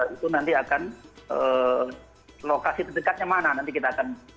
itu nanti akan lokasi terdekatnya mana nanti kita akan